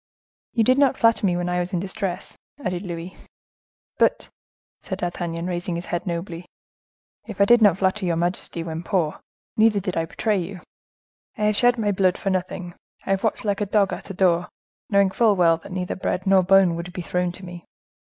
"You did not flatter me when I was in distress," added Louis. "But," said D'Artagnan, raising his head nobly, "if I did not flatter your majesty when poor, neither did I betray you. I have shed my blood for nothing; I have watched like a dog at a door, knowing full well that neither bread nor bone would be thrown to me.